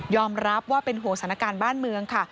ยอมรับว่าเป็นหัวศาลการบ้านเมืองค่ะ